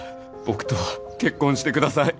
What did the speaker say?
僕と結婚してください。